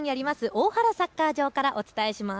大原サッカー場からお伝えします。